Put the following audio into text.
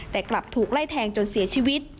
แต่กลับถูกไล่แทงจนเสียชีวิต